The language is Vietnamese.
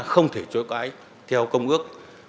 không thể chối cãi theo công ước